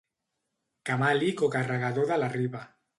Camàlic o carregador de la riba.